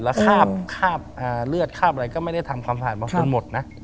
แล้วข้าบเลือดข้าบอะไรก็ไม่ได้ทำความสะอาดมากจนหมดนะ